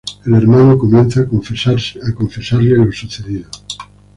El hermano comienza a confesarle lo sucedido.